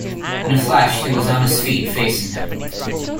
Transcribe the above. In a flash he was on his feet, facing him.